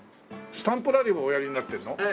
スタンプラリーもおやりになってんの？